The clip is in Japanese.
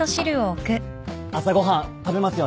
朝ご飯食べますよね？